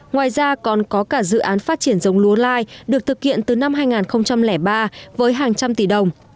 ngoài ra còn có cả dự án phát triển giống lúa lai được thực hiện từ năm hai nghìn ba với hàng trăm tỷ đồng